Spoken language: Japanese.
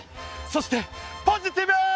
そしてポジティブ！